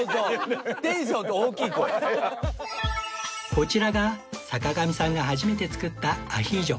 こちらが坂上さんが初めて作ったアヒージョ